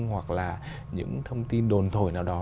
hoặc là những thông tin đồn thổi nào đó